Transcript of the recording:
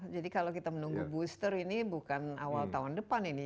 jadi kalau kita menunggu booster ini bukan awal tahun depan ini